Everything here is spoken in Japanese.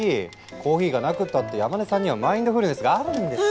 コーヒーがなくったって山根さんにはマインドフルネスがあるんですから。